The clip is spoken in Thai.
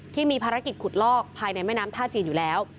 ที่มีภารกิจขุดลอกภายในแม่น้ำท่าจีนอยู่แล้ว